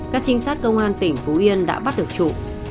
các trinh sát công an tỉnh phú yên đã bắt được chủ